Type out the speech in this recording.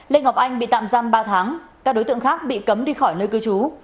lê ngọc anh bị tạm giam ba tháng các đối tượng khác bị cấm đi khỏi nơi cư trú